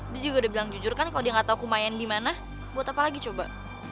dia juga udah bilang jujur kan kalau dia gak tahu kumayan dimana buat apa lagi coba